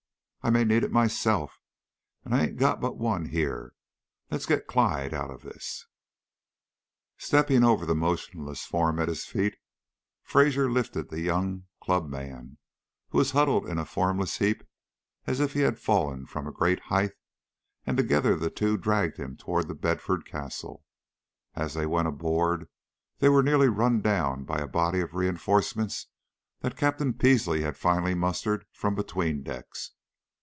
"I may need it myself, and I ain't got but the one here! Let's get Clyde out of this." Stepping over the motionless form at his feet, Fraser lifted the young club man, who was huddled in a formless heap as if he had fallen from a great height, and together the two dragged him toward The Bedford Castle. As they went aboard, they were nearly run down by a body of reinforcements that Captain Peasley had finally mustered from between decks.